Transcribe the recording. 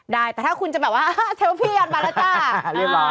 ได้แต่ถ้าคุณจะแบบว่าเทลพี่ยอดบัตรละจ้า